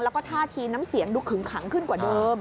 แล้วก็ท่าทีน้ำเสียงดูขึงขังขึ้นกว่าเดิม